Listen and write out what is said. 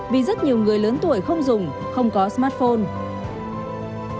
vì rất nhiều người lớn tuổi không dùng không có smartphone